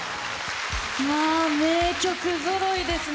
名曲ぞろいですね。